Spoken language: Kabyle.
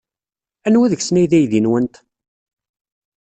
Anwa deg-sen ay d aydi-nwent?